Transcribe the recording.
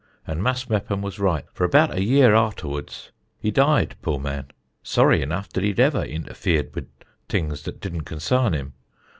And Mas' Meppom was right, for about a year ahtawuds he died, poor man! sorry enough dat he'd ever intafēred wud things dat didn't consarn him.